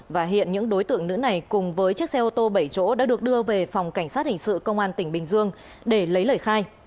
và hiện những đối tượng nữ này cùng với chiếc xe ô tô bảy chỗ đã được đưa về phòng cảnh sát hình sự công an tỉnh bình dương để lấy lời khai